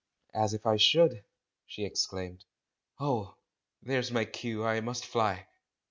"As if I should!" she exclaimed. "Oh! there's my cue, I must fly!"